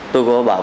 tôi có bảo